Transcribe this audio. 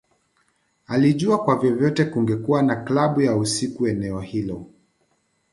Alijua kwa vyovyote kungekuwa na klabu ya usiku eneo hilo